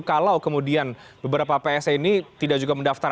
kalau kemudian beberapa pse ini tidak juga mendaftar